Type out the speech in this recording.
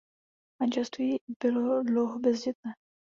Manželství bylo dlouho bezdětné.